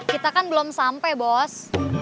kita kan belum sampai bos